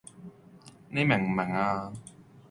你明唔明呀